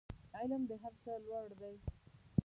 علم د هر څه لوړ دی